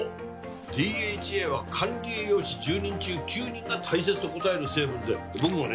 ＤＨＡは管理栄養士１０人中９人が大切と答える成分で僕もね